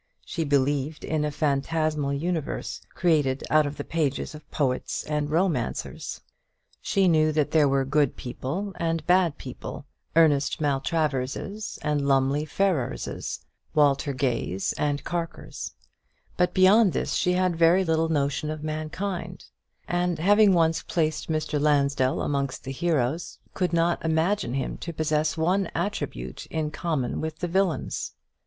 She believed in a phantasmal universe, created out of the pages of poets and romancers; she knew that there were good people and bad people Ernest Maltraverses and Lumley Ferrerses, Walter Gays and Carkers; but beyond this she had very little notion of mankind; and having once placed Mr. Lansdell amongst the heroes, could not imagine him to possess one attribute in common with the villains.